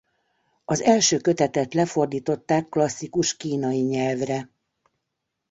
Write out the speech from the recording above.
Az első kötetet lefordították klasszikus kínai nyelvre.